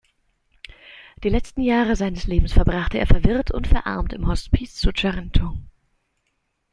Die letzten Jahre seines Lebens verbrachte er verwirrt und verarmt im Hospiz zu Charenton.